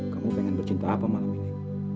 kamu pengen bercinta apa malam ini